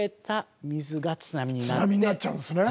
津波になっちゃうんですね。